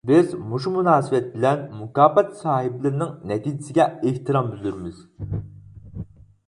بىز مۇشۇ مۇناسىۋەت بىلەن مۇكاپات ساھىبلىرىنىڭ نەتىجىسىگە ئېھتىرام بىلدۈرىمىز.